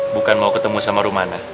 bukan mau ketemu sama rumana